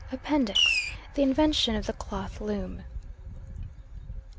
APPENDIX. THE INVENTION OF THE CLOTH LOOM.